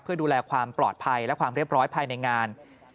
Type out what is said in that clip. เพื่อดูแลความปลอดภัยและความเรียบร้อยภายในงาน